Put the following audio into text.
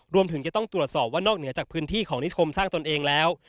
รวมถึงจะต้องตรวจสอบว่านอกเหนือจากพื้นที่ของนิคมสร้างตนเองแล้ว